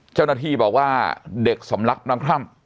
เจ้าหน้าที่บอกว่าเด็กสำลักน้ำพร่ำ